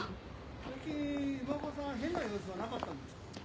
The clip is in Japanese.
「最近今岡さん変な様子はなかったんですか？」